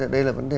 đây là vấn đề